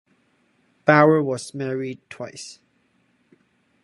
Bauer was married twice.